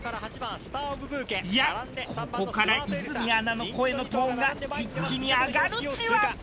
いやここから泉アナの声のトーンが一気に上がるじわ！